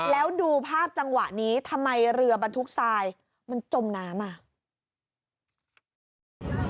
แล้วดูภาพจังหวะนี้ทำไมเรือบรรทุกทรายมันจมน้ำอ่ะ